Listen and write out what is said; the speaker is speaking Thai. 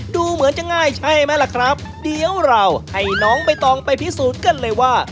ดูเหมือนจะง่ายใช่ไหมล่ะครับเดี๋ยวเราให้น้องใบตองไปพิสูจน์กันเลยว่า